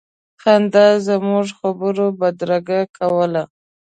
خندا زموږ خبرو بدرګه کوله.